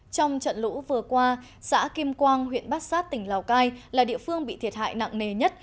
trong trận lũ vừa qua xã kim quang huyện bát sát tỉnh lào cai là địa phương bị thiệt hại nặng nề nhất